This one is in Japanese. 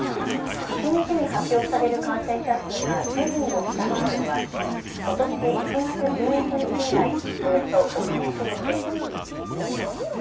一日に発表される感染者数が１０００人を下回るのはことし１月１１日以来、およそ５か月ぶりです。